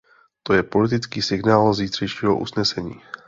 To je politický signál zítřejšího usnesení.